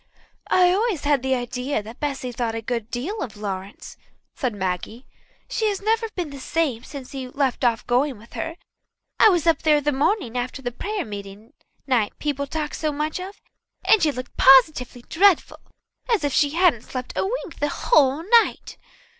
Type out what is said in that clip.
"I always had an idea that Bessy thought a good deal of Lawrence," said Maggie. "She has never been the same since he left off going with her. I was up there the morning after that prayer meeting night people talked so much of, and she looked positively dreadful, as if she hadn't slept a wink the whole night."